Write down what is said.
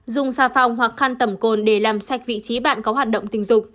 dùng xà phòng hoặc khăn tẩm cồn để làm sạch vị trí bạn có hoạt động tình dục